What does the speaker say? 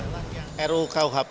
rukuhp itu merupakan rukuhp